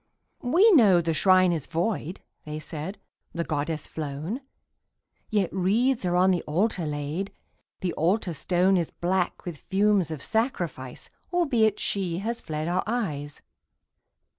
"We know the Shrine is void," they said, "The Goddess flown Yet wreaths are on the Altar laid The Altar Stone Is black with fumes of sacrifice, Albeit She has fled our eyes.